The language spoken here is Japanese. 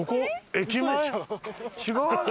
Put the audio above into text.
違う？